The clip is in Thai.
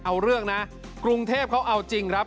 เอาเรื่องนะกรุงเทพเขาเอาจริงครับ